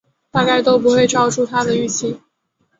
大概都不会超出他的预期